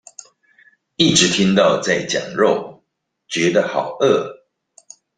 一直聽到在講肉覺得好餓